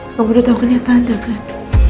kamu udah tau kenyataan kan